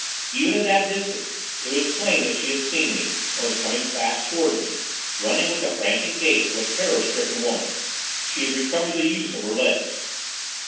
Even at that distance it was plain that she had seen me, and was coming fast towards me, running with the frantic gait of a terror stricken woman. She had recovered the use of her legs.